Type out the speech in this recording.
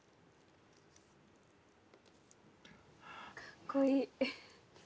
かっこいい！